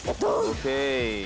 ＯＫ。